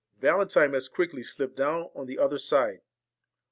Valentine as quickly slipped down on the other side.